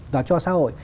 và cho xã hội